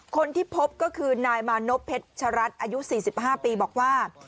คนที่พบก็คือนายมานพเพชรชรัฐอายุ๔๕ปีบอกว่า